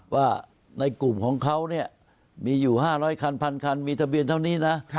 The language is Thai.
ว่าในกลุ่มของเขาเนี่ยมีอยู่๕๐๐คัน๑๐๐คันมีทะเบียนเท่านี้นะ